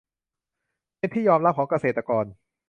เป็นที่ยอมรับของเกษตรกร